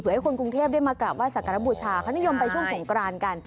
เผื่อให้คนกรุงเทพได้มากราบว่าสักการบุชาพนิยมไปช่วงของกรานกัน